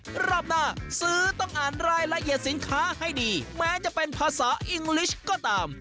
รอบหน้าซื้อต้องอ่านรายละเอียดสินค้าให้ดีแม้จะเป็นภาษาอิงลิชก็ตาม